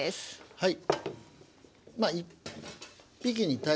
はい。